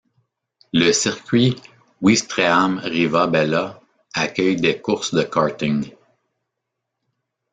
Le circuit Ouistreham-Riva-Bella accueille des courses de karting.